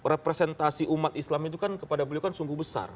representasi umat islam itu kan kepada beliau kan sungguh besar